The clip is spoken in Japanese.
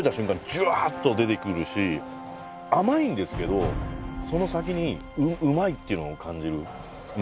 ジュワーっと出てくるし甘いんですけどその先にうまいっていうのを感じる。